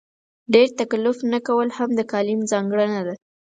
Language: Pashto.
ډېر تکلف نه کول هم د کالم ځانګړنه ده.